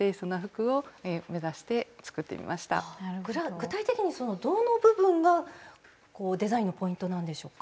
具体的にどの部分がデザインのポイントなんでしょうか。